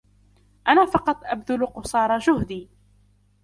أنا فقط ابذل قصارى جهدي.